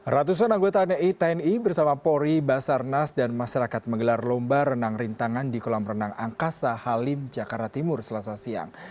ratusan anggota tni bersama polri basarnas dan masyarakat menggelar lomba renang rintangan di kolam renang angkasa halim jakarta timur selasa siang